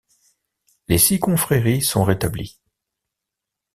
Les six confréries sont rétablies.